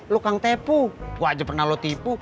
lu kan tepu gue aja pernah lu tipu